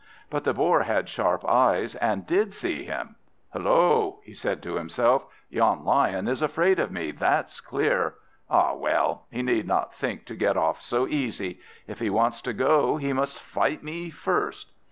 But the Boar had sharp eyes, and did see him. "Hullo!" said he to himself, "yon Lion is afraid of me, that's clear! Ah well, he need not think to get off so easy. If he wants to go, he must fight me first!"